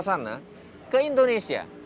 ke sana ke indonesia